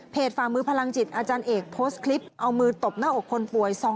ฝ่ามือพลังจิตอาจารย์เอกโพสต์คลิปเอามือตบหน้าอกคนป่วย